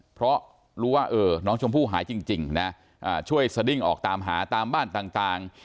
เพราะรู้ว่าน้องชมพู่หายจริงนะช่วยสดิ้งออกตามหาตามบ้านต่าง